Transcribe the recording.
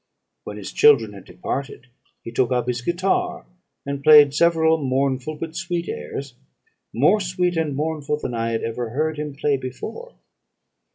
When his children had departed, he took up his guitar, and played several mournful but sweet airs, more sweet and mournful than I had ever heard him play before.